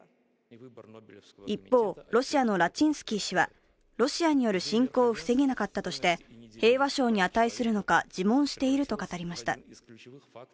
一方、ロシアのラチンスキー氏はロシアによる侵攻を防げなかったとして平和賞に値するのか自問していると語りました。